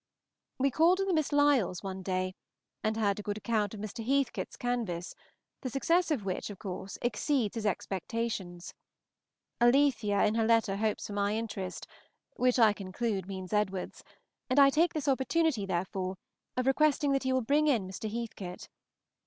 We called on the Miss Lyells one day, and heard a good account of Mr. Heathcote's canvass, the success of which, of course, exceeds his expectations. Alethea in her letter hopes for my interest, which I conclude means Edward's, and I take this opportunity, therefore, of requesting that he will bring in Mr. Heathcote.